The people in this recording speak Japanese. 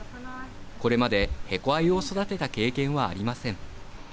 これまでヘコアユを育てた経験はありません。